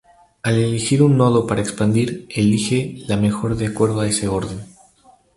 Al elegir un nodo para expandir, elige la mejor de acuerdo a ese orden.